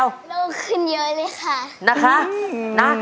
ยิ่งเสียใจ